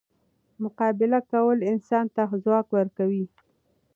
مقابله کول انسان ته ځواک ورکوي.